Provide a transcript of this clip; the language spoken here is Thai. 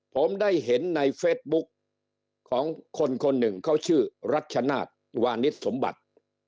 ผมได้เห็นในเฟสบุ๊กของคนคนหนึ่งเขาชื่อรัชนาศวานิสสมบัติ